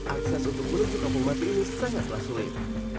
akses untuk menuju kampung mati ini sangatlah sulit